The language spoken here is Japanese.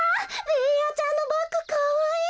ベーヤちゃんのバッグかわいい！